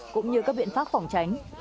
cũng như các biện pháp phòng tránh